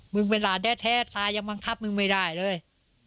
เป็นหลานแท้ตายังบังคับมึงไม่ได้เลย